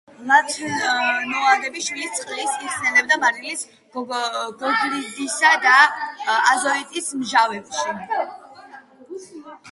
ლანთანოიდები შლის წყალს, იხსნება მარილის, გოგირდისა და აზოტის მჟავებში.